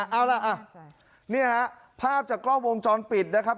เอาล่ะนี่ฮะภาพจากกล้องวงจรปิดนะครับ